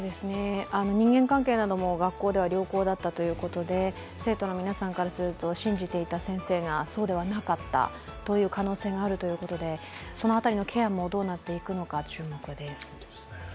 人間関係なども学校では良好だったということで、生徒の皆さんからすると、信じていた先生がそうではなかったという可能性があるということで、その辺りのケアもどうなっていくのか、注目です。